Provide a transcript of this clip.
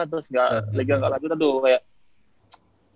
terus liga gak lanjut aduh kayak